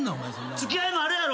付き合いもあるやろ！